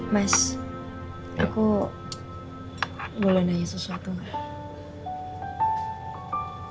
mas aku boleh nanya sesuatu lah